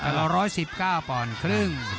แล้วร้อยสิบเก้าป่อนครึ่ง